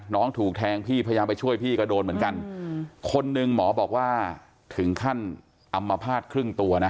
น้องถูกแทงพี่พยายามไปช่วยพี่ก็โดนเหมือนกันคนหนึ่งหมอบอกว่าถึงขั้นอำมภาษณ์ครึ่งตัวนะ